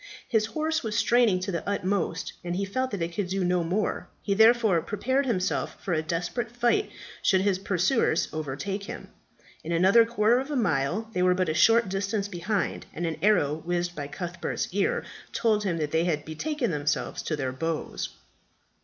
His horse was straining to the utmost, and he felt that it could do no more; he therefore prepared himself for a desperate fight should his pursuers overtake him. In another quarter of a mile they were but a short distance behind, and an arrow whizzing by Cuthbert's ear told him they had be taken themselves to their bows.